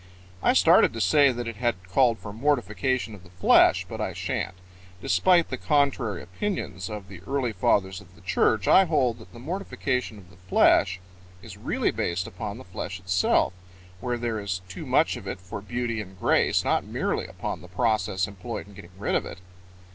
I started to say that it had called for mortification of the flesh, but I shan't. Despite the contrary opinions of the early fathers of the church, I hold that the mortification of the flesh is really based upon the flesh itself, where there is too much of it for beauty and grace, not merely upon the process employed in getting rid of it.